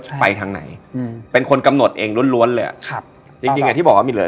ใช่ไปทางไหนอืมเป็นคนกำหนดเองล้วนล้วนเลยอ่ะครับจริงจริงอ่ะที่บอกว่ามีเลย